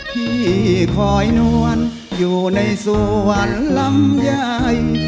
พี่คอยนวลอยู่ในส่วนลำไย